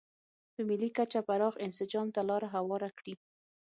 په ملي کچه پراخ انسجام ته لار هواره کړي.